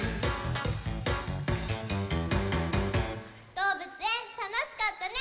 どうぶつえんたのしかったね。